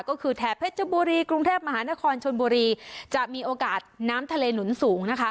ก็คือแถบเพชรบุรีกรุงเทพมหานครชนบุรีจะมีโอกาสน้ำทะเลหนุนสูงนะคะ